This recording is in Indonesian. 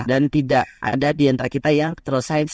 dan tidak ada yang mengatakan bahwa kita harus berhubungan dengan kondisi